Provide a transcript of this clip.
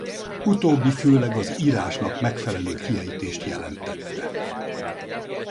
Utóbbi főleg az írásnak megfelelő kiejtést jelentette.